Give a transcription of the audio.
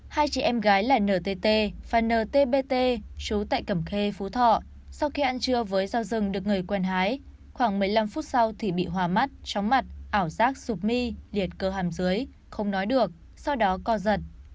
hai chị em gái là ntt và ntt chú tại cẩm khê phú thọ sau khi ăn trưa với rau rừng được người quen hái khoảng một mươi năm phút sau thì bị hòa mắt chóng mặt ảo giác sụp my liệt cơ hàm dưới không nói được sau đó co giật